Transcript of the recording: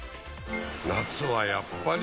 夏はやっぱり。